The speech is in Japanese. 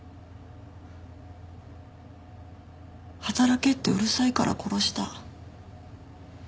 働けってうるさいから殺した。